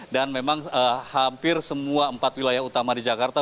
dan memang hampir semua empat wilayah utama di jakarta